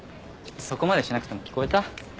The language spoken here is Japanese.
そこまでしなくても聞こえた？